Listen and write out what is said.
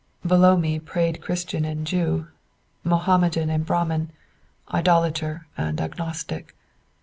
Below me prayed Christian and Jew, Mohammedan and Brahmin, idolater and agnostic.